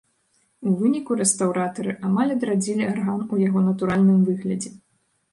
У выніку рэстаўратары амаль адрадзілі арган у яго натуральным выглядзе.